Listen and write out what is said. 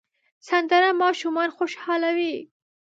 سندره ماشومان خوشحالوي